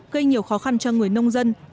gây nhiều khó khăn cho người nông dân